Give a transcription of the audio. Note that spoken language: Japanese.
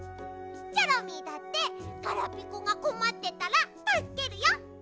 チョロミーだってガラピコがこまってたらたすけるよ！